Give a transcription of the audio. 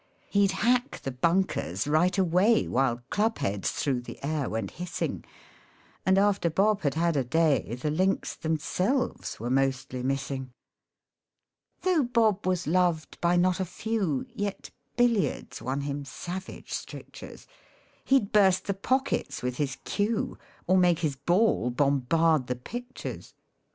He'd hack the bunkers right away While club heads through the air went hissing, And after Bob had had a day The links themselves were mostly missing. Though Bob was loved by not a few, Yet billiards won him savage strictures ; He'd burst the pockets with his cue, Or make his ball bombard the pictures.